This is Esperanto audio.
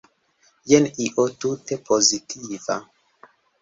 Jen io tute pozitiva.